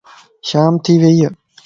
شام ٿي ويئي